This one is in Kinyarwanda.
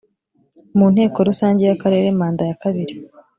mu nteko rusange y akarere manda yakabiri